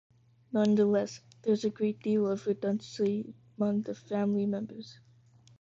Nonetheless, there is a great deal of redundancy among the family members.